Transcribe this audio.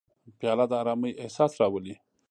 پیاله د ارامۍ احساس راولي.